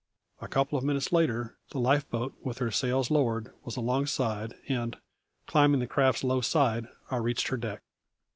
A couple of minutes later the life boat, with her sails lowered, was alongside, and, climbing the craft's low side, I reached her deck.